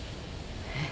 えっ？